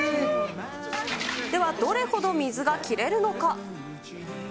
ではどれほど水が切れるのか。